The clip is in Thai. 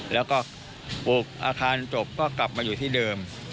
แล้วก็ปลูกอาคารจบก็กลับมาอยู่ที่เดิม